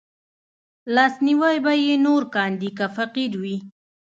لاسنيوی به يې نور کاندي که فقير وي